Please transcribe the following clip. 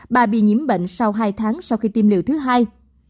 bà bị nhiễm bệnh sau hai tháng sau khi tiêm liều thứ hai